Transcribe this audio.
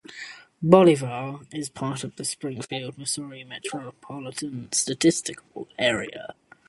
Bolivar is part of the Springfield, Missouri Metropolitan Statistical Area.